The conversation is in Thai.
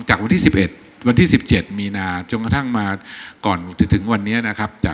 จากวันที่๑๗มีนาจนกระทั่งมาก่อนถึงวันนี้นะครับ